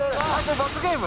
罰ゲーム？